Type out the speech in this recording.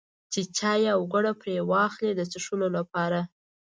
چې چای او ګوړه پرې واخلي د څښلو لپاره.